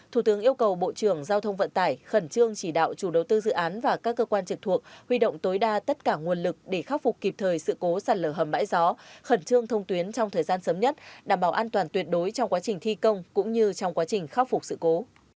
thủ tướng yêu cầu bộ trưởng giao thông vận tải khẩn trương chỉ đạo chủ đầu tư dự án và các cơ quan trực thuộc huy động tối đa tất cả nguồn lực để khắc phục kịp thời sự cố sạt lở hầm bãi gió khẩn trương thông tuyến trong thời gian sớm nhất đảm bảo an toàn tuyệt đối trong quá trình thi công cũng như trong quá trình khắc phục sự cố